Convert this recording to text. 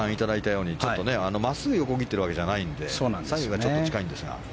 真っすぐ横切っているわけじゃないので左右がちょっと近いんですが。